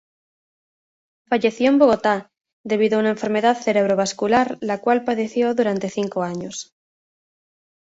Falleció en Bogotá, debido a una enfermedad cerebro-vascular la cual padeció durante cinco años.